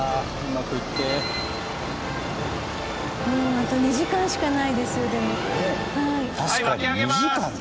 あと２時間しかないですよでも。